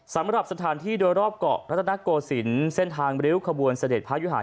สำหรับสถานที่โดยรอบเกาะรัตนโกศิลป์เส้นทางริ้วขบวนเสด็จพระยุหา